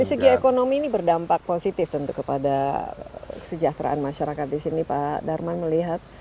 dari segi ekonomi ini berdampak positif tentu kepada kesejahteraan masyarakat di sini pak darman melihat